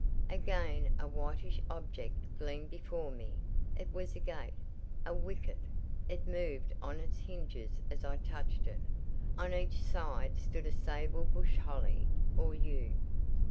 Again a whitish object gleamed before me: it was a gate—a wicket; it moved on its hinges as I touched it. On each side stood a sable bush—holly or yew.